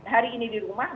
hari ini di rumah